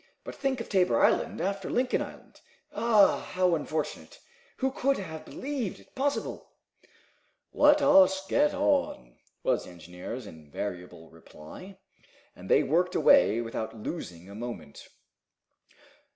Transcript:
But think of Tabor island after Lincoln Island. Ah, how unfortunate! Who could have believed it possible?" "Let us get on," was the engineer's invariable reply. And they worked away without losing a moment.